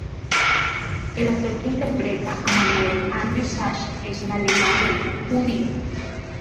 El actor que interpreta a Manuel, Andrew Sachs, es un alemán de origen judío.